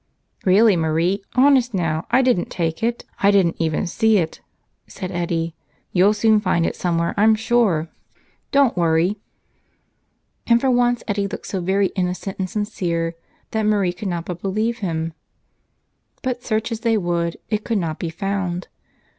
"Really, Marie, honest now, I didn't take it. I didn't even see it," said Eddie. "You'll soon find it some¬ where, I'm sure. Don't worry." And for once Eddie looked so very innocent and sincere that Marie could not but believe him. But search as they would, it could not be found.